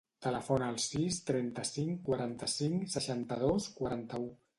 Telefona al sis, trenta-cinc, quaranta-cinc, seixanta-dos, quaranta-u.